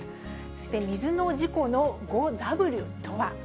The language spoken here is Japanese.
そして水の事故の５Ｗとは？